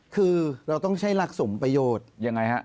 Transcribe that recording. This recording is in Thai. คือเราต้องใช้หลักสมประโยชน์